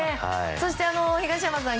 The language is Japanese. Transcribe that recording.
そして東山さん